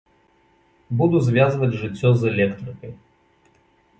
Буду звязваць жыццё з электрыкай.